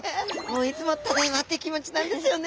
いつもただいまって気持ちなんですよね！